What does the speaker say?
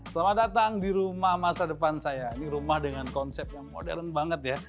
selamat datang di rumah masa depan saya ini rumah dengan konsep yang modern banget ya